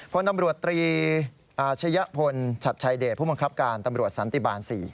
พลตำรวจตรีอาชยะพลฉัดชัยเดชผู้บังคับการตำรวจสันติบาล๔